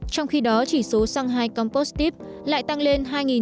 trong khi đó chỉ số shanghai compost tip lại tăng lên hai chín trăm tám mươi sáu hai điểm